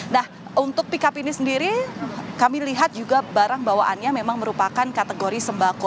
nah untuk pickup ini sendiri kami lihat juga barang bawaannya memang merupakan kategori sembako